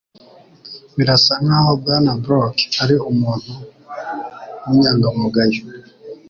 Birasa nkaho Bwana Brooke ari umuntu winyangamugayo.